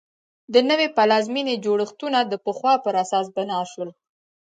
د نوې پلازمېنې جوړښتونه د پخوا پر اساس بنا شول.